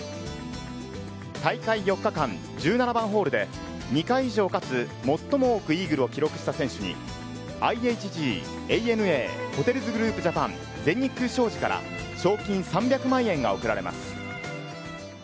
大会４日間、１７番ホールで２回以上かつ、最も多くイーグルを記録した選手に、ＩＨＧ・ＡＮＡホテルズグループジャパン、全日空商事から賞金３００万円が贈られます。